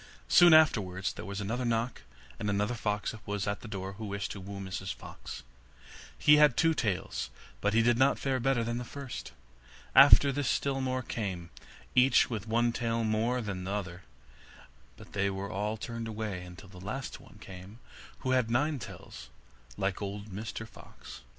Soon afterwards there was another knock, and another fox was at the door who wished to woo Mrs Fox. He had two tails, but he did not fare better than the first. After this still more came, each with one tail more than the other, but they were all turned away, until at last one came who had nine tails, like old Mr Fox.